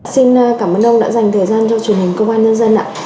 xin cảm ơn ông đã dành thời gian cho truyền hình công an nhân dân ạ